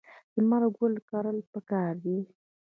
لمر ګل کرل پکار دي.